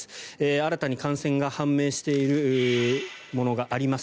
新たに感染が判明しているものがあります。